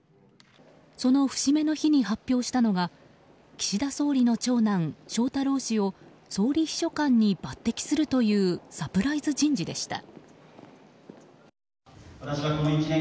その節目の日に発表したのが岸田総理の長男・翔太郎氏を総理秘書官に抜擢するというサプライズ人事でした。